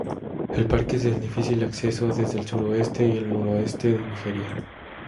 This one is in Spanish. El parque es de fácil acceso desde el suroeste y el noroeste de Nigeria.